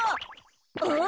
あっ！